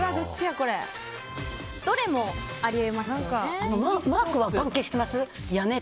どれもあり得ますよね。